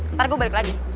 ntar gue balik lagi